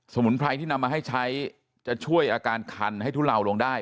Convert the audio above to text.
มุนไพรที่นำมาให้ใช้จะช่วยอาการคันให้ทุเลาลงได้